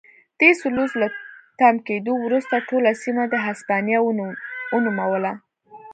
ډي سلوس له تم کېدو وروسته ټوله سیمه د هسپانیا ونوموله.